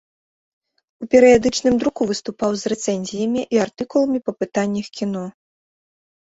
У перыядычным друку выступаў з рэцэнзіямі і артыкуламі па пытаннях кіно.